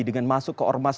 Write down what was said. dengan masuk ke ormas